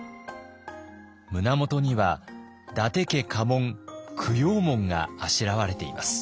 胸元には伊達家家紋九曜紋があしらわれています。